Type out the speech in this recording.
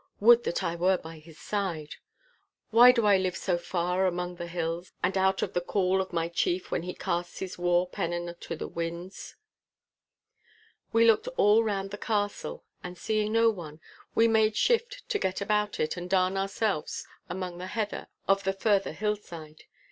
Would that I were by his side! Why do I live so far among the hills, and out of the call of my chief when he casts his war pennon to the winds?' We looked all round the castle, and seeing no one, we made shift to get about it and darn ourselves among the heather of the further hillside.